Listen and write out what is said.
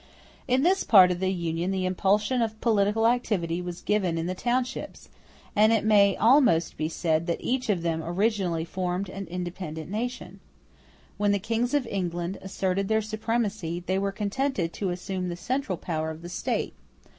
In this part of the Union the impulsion of political activity was given in the townships; and it may almost be said that each of them originally formed an independent nation. When the Kings of England asserted their supremacy, they were contented to assume the central power of the State.